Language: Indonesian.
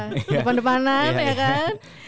depan depanan ya kan